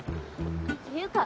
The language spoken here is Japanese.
ていうか